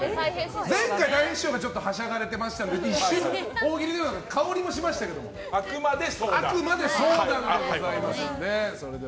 前回、たい平師匠がはしゃがれてましたので一瞬、大喜利のような香りもしましたがあくまで相談でございますので。